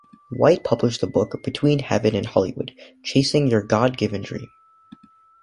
White published the book "Between Heaven and Hollywood: Chasing Your God-Given Dream".